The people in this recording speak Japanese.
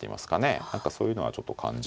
何かそういうのはちょっと感じますよね